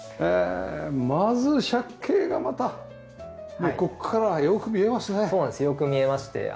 ええまず借景がまたここからはよく見えますね。